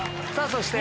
そして。